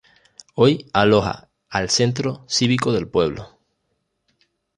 Hoy aloja al Centro Cívico del pueblo.